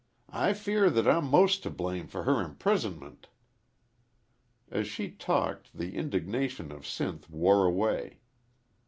I fear that I'm most to blame for her imprisonment." As she talked the indignation of Sinth wore away.